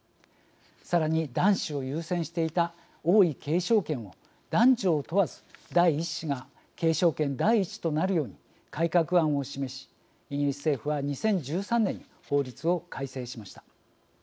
さらに、男子を優先していた王位継承権を男女を問わず第１子が継承権第１位となるように改革案を示し、イギリス政府は２０１３年に法律を改正しました。